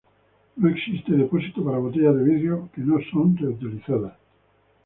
No existe depósito para botellas de vidrio que no son reutilizadas.